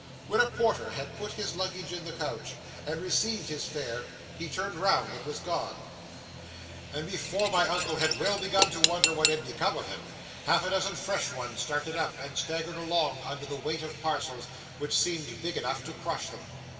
When a porter had put his luggage in the coach, and received his fare, he turned round and was gone; and before my uncle had well begun to wonder what had become of him, half a dozen fresh ones started up, and staggered along under the weight of parcels, which seemed big enough to crush them.